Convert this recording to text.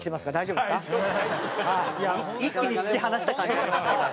一気に突き放した感じが。